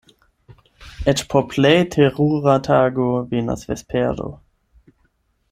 Eĉ por plej terura tago venas vespero.